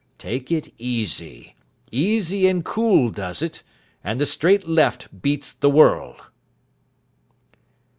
Take it easy. Easy and cool does it, and the straight left beats the world."